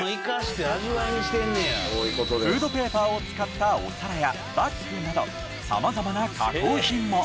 フードペーパーを使ったお皿やバッグなどさまざまな加工品も。